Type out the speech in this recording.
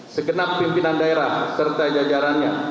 segenap pimpinan daerah serta jajarannya